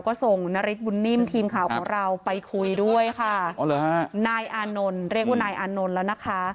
ก็นายอานนท์แล้วนะคะ